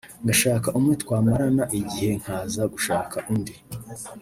ngashaka umwe twamarana igihe nkaza ngashaka undi